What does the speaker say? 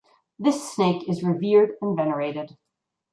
This snake is revered and venerated.